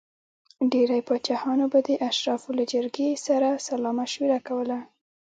ډېری پاچاهانو به د اشرافو له جرګې سره سلا مشوره کوله.